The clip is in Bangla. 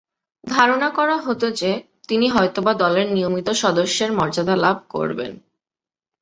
ধারণা করা হতো যে, তিনি হয়তোবা দলের নিয়মিত সদস্যের মর্যাদা লাভ করবেন।